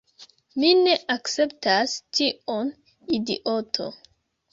Mi ne akceptas tion, idiot'.